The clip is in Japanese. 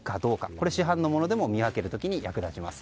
これは市販のものでも見分ける時に役立ちます。